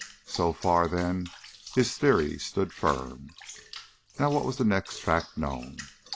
So far, then, his theory stood firm. Now what was the next fact known?